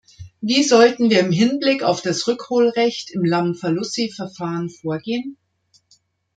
Wie sollten wir im Hinblick auf das Rückholrecht im Lamfalussy-Verfahren vorgehen?